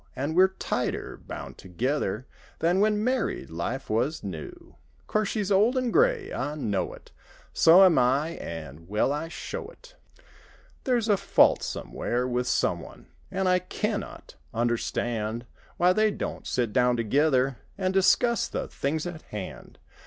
An' we're tighter bound together Than when married life was new. 'Course she's old an' gray—I know it. So am I, an' well I show it. There's a fault somewhere with someone! An' I can not understand Why they don't sit down together An' discuss the things at hand.